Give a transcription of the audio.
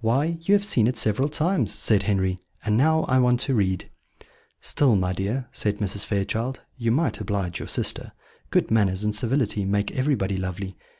"Why, you have seen it several times," said Henry; "and now I want to read." "Still, my dear," said Mrs. Fairchild, "you might oblige your sister. Good manners and civility make everybody lovely.